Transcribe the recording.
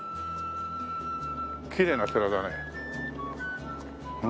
きれいな寺だね。